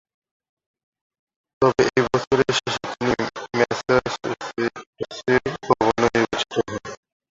তবে ওই বছরের শেষে তিনি ম্যাসাচুসেটসের গভর্নর নির্বাচিত হন।